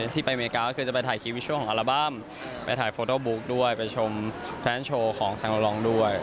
ที่ไปอเมริกาก็คือจะไปถ่ายชีวิตช่วงของอัลบั้มไปถ่ายโฟโต้บุ๊กด้วยไปชมแฟนโชว์ของแซงโลลองด้วย